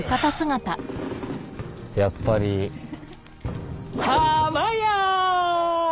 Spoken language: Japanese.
やっぱりたーまやー！